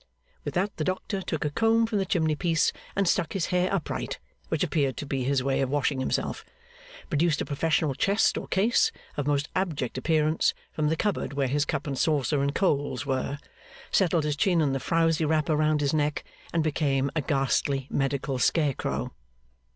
With that the doctor took a comb from the chimney piece and stuck his hair upright which appeared to be his way of washing himself produced a professional chest or case, of most abject appearance, from the cupboard where his cup and saucer and coals were, settled his chin in the frowsy wrapper round his neck, and became a ghastly medical scarecrow.